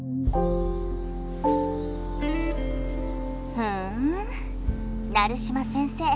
ふん成島先生